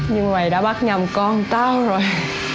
nhưng mày đã bắt nhầm con tao rồi